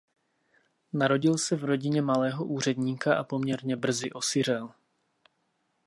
Narodil se v rodině malého úředníka a poměrně brzy osiřel.